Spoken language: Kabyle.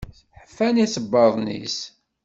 Ḥfan isebbaḍen-is.